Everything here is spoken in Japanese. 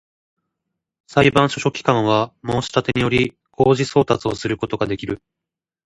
裁判所書記官は、申立てにより、公示送達をすることができる